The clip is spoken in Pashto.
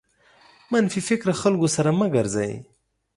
منفي فکره خلکو سره مه ګرځٸ.